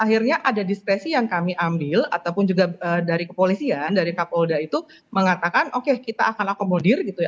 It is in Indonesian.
akhirnya ada diskresi yang kami ambil ataupun juga dari kepolisian dari kapolda itu mengatakan oke kita akan akomodir gitu ya